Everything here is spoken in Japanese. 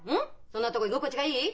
そんなとこ居心地がいい？